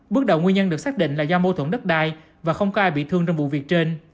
bước đầu nguyên nhân được xác định là do mâu thuẫn đất đai và không có ai bị thương trong vụ việc trên